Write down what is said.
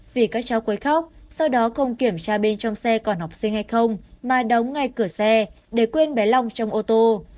vì các cháu quấy khóc sau đó không kiểm tra bên trong xe còn học sinh hay không mà đóng ngay cửa xe để quên bé long trong ô tô